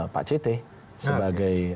pak cete sebagai